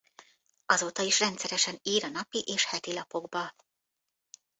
Azóta is rendszeresen ír a napi- és hetilapokba.